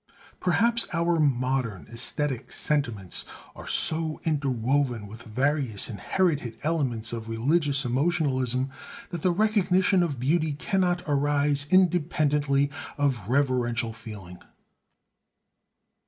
Perhaps our modern æsthetic sentiments are so interwoven with various inherited elements of religious emotionalism that the recognition of beauty cannot arise independently of reverential feeling.